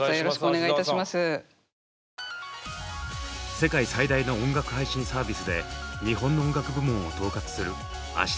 世界最大の音楽配信サービスで日本の音楽部門を統括する芦澤紀子さん。